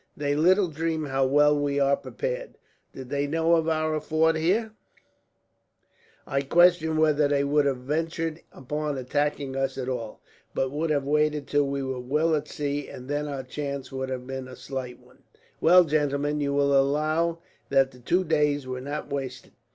They little dream how well we are prepared. Did they know of our fort here, I question whether they would have ventured upon attacking us at all, but would have waited till we were well at sea, and then our chance would have been a slight one. "Well, gentlemen, you will allow that the two days were not wasted.